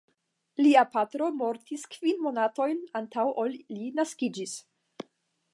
Lia patro mortis kvin monatojn antaŭ ol li naskiĝis.